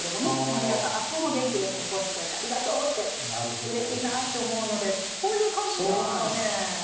毎朝今日も元気で登校してくれてありがとうってうれしいなって思うのでこういう感じですかね。